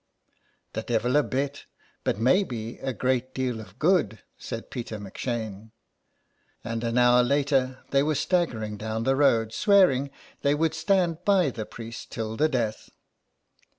''" The devil a bit, but maybe a great deal of good," said Peter M 'Shane, and an hour later they were staggering down the road swearing they would stand by the priest till the death.